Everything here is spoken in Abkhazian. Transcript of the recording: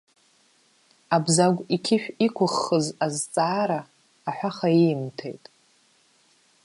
Абзагә иқьышә иқәыххыз азҵаара аҳәаха иимҭеит.